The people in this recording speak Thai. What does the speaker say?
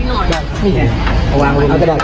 นี่หลังของไม้นิดหน่อย